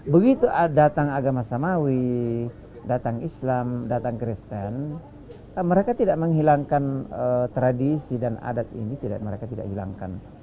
begitu datang agama samawi datang islam datang kristen mereka tidak menghilangkan tradisi dan adat ini mereka tidak hilangkan